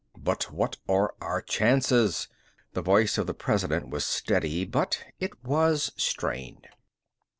"But what are our chances?" The voice of the President was steady, but it was strained.